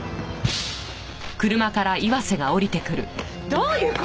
どういう事？